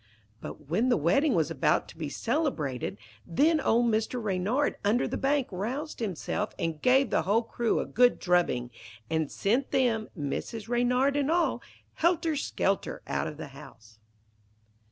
But when the wedding was about to be celebrated, then old Mr. Reynard under the bank roused himself, and gave the whole crew a good drubbing, and sent them, Mrs. Reynard and all, helter skelter out of the house.